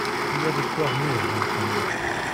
Il y a des poires mûres dans le panier.